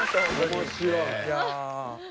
面白い。